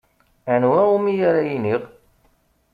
Anwa umi ara iniɣ?